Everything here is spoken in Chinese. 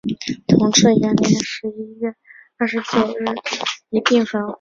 同治元年十一月二十九日被大火将书与楼一并焚毁。